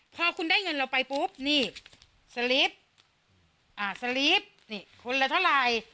พอคุณได้เงินเราไปปุ๊บนี่สลิปสลิปนี่คนละเท่าไหร่